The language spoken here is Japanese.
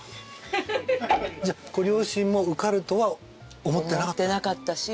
じゃあご両親も受かるとは思ってなかった？